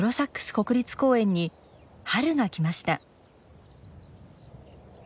国立公園に春が来ました。